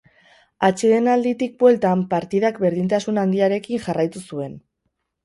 Atsedenalditik bueltan partidak berdintasun handiarekin jarraitu zuen.